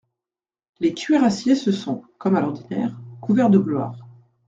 Les cuirassiers se sont, comme à l'ordinaire, couverts de gloire.